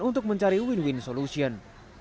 untuk mencari win win solution